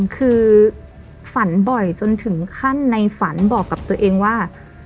คือฝันบ่อยจนถึงขั้นในฝันบอกกับตัวเองว่า